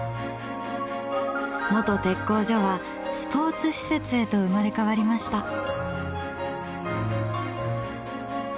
元鉄工所はスポーツ施設へと生まれ変わりました。